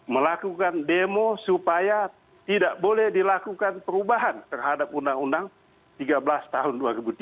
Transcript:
melakukan demo supaya tidak boleh dilakukan perubahan terhadap undang undang tiga belas tahun dua ribu tiga